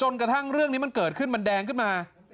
เมื่อเกิดขึ้นมันแดงขึ้นมา